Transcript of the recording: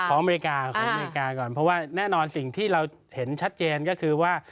เพราะว่าแน่นอนสิ่งที่เราเห็นชัดเจนก็คือว่า